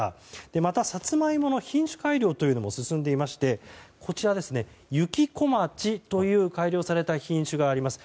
また、サツマイモの品種改良も進んでいましてこちらですね、ゆきこまちという改良された品種があります。